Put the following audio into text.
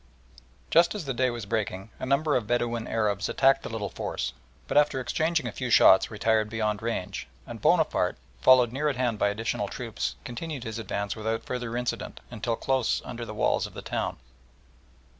Just as the day was breaking a number of Bedouin Arabs attacked the little force, but after exchanging a few shots retired beyond range, and Bonaparte, followed near at hand by additional troops, continued his advance without further incident until close under the walls of the town.